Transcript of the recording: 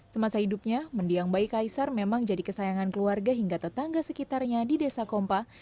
semasa hidupnya mendiang bayi kaisar memang jadi kesayangan keluarga hingga tetangga sekitarnya di desa kompa